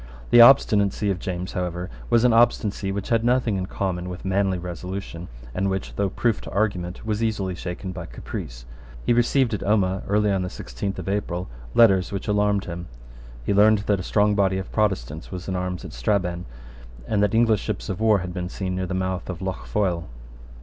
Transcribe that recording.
The obstinacy of James, however, was an obstinacy which had nothing in common with manly resolution, and which, though proof to argument, was easily shaken by caprice. He received at Omagh, early on the sixteenth of April, letters which alarmed him. He learned that a strong body of Protestants was in arms at Strabane, and that English ships of war had been seen near the mouth of Lough Foyle.